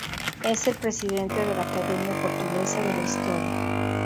Es el presidente de la Academia Portuguesa de la Historia.